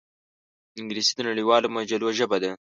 انګلیسي د نړیوالو مجلو ژبه ده